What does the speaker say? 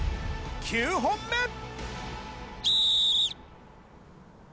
９本目！